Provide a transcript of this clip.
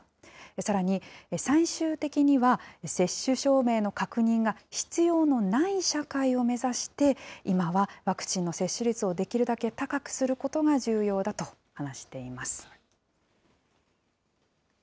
さらに、最終的には接種証明の確認が必要のない社会を目指して、今はワクチンの接種率をできるだけ高くすることが重要だと話して次です。